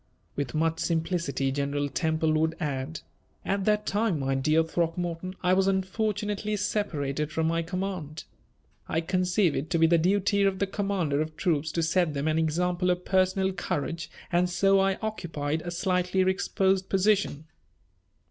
With much simplicity General Temple would add: "At that time, my dear Throckmorton, I was unfortunately separated from my command. I conceive it to be the duty of the commander of troops to set them an example of personal courage, and so I occupied a slightly exposed position."